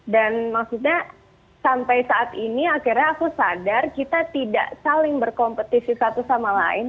dan maksudnya sampai saat ini akhirnya aku sadar kita tidak saling berkompetisi satu sama lain